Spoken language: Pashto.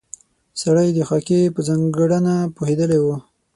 سړی د خاکې په ځانګړنه پوهېدلی و.